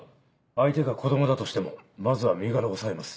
相手が子供だとしてもまずは身柄を押さえます。